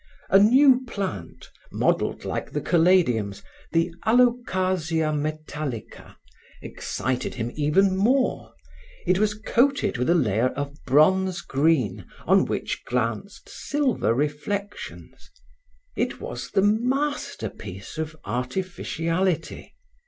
A new plant, modelled like the Caladiums, the Alocasia Metallica, excited him even more. It was coated with a layer of bronze green on which glanced silver reflections. It was the masterpiece of artificiality.